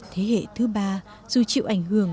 thế hệ thứ ba dù chịu ảnh hưởng